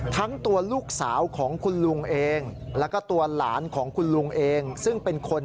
ทั้งตัวลูกสาวของคุณลุงเอง